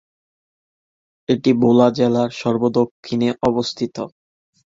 এটি ভোলা জেলার সর্ব দক্ষিণে অবস্থিত।